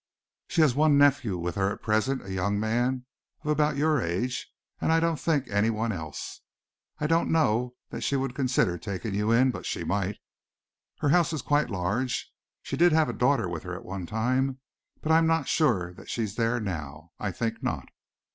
She has one nephew with her at present, a young man of about your age, and I don't think anyone else. I don't know that she would consider taking you in, but she might. Her house is quite large. She did have her daughter with her at one time, but I'm not sure that she's there now. I think not."